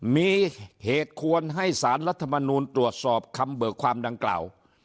มีเหตุควรให้สารรัฐมนูลตรวจสอบคำเบิกความดังกล่าว